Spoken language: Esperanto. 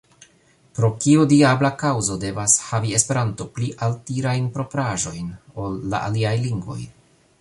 Pro kiu diabla kaŭzo devas havi Esperanto pli altirajn propraĵojn ol la aliaj lingvoj?